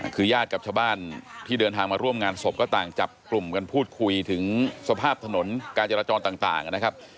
คือญาติกับชาวบ้านที่เดินทางมาร่วมงานศพก็ต่างจับกลุ่มกันพูดคุยถึงสภาพถนนการจราจรต่างนะครับ